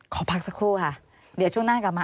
ขอพักสักครู่ค่ะเดี๋ยวช่วงหน้ากลับมา